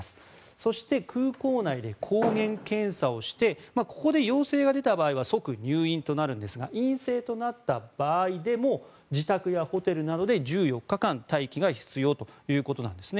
そして、空港内で抗原検査をしてここで陽性が出た場合は即入院となりますが陰性となった場合でも自宅やホテルなどで１４日間、待機が必要ということなんですね。